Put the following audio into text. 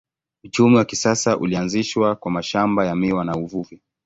Uchumi wa kisasa ulianzishwa kwa mashamba ya miwa na uvuvi.